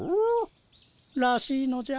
らしいのじゃ。